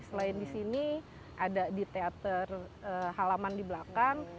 selain di sini ada di teater halaman di belakang